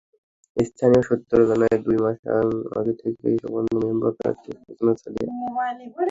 স্থানীয় সূত্র জানায়, দুই মাস আগে থেকেই সম্ভাব্য মেয়র প্রার্থীরা প্রচারণা চালিয়ে আসছেন।